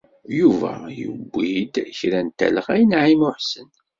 Yuba yewwi-d kra n telɣa i Naɛima u Ḥsen.